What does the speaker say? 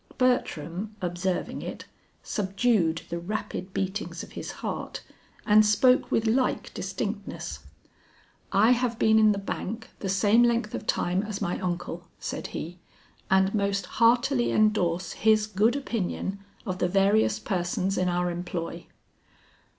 Bertram observing it, subdued the rapid beatings of his heart and spoke with like distinctness. "I have been in the bank the same length of time as my uncle," said he, "and most heartily endorse his good opinion of the various persons in our employ."